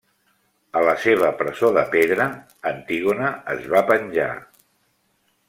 A la seva presó de pedra, Antígona es va penjar.